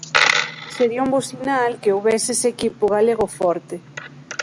Sería un bo sinal que houbese ese equipo galego forte.